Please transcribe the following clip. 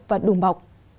và đùm bọc